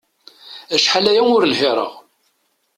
Acḥal aya ur nhireɣ.